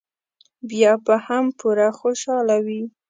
بیا به هم پوره خوشاله وي.